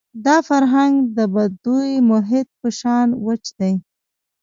دا فرهنګ د بدوي محیط په شان وچ دی.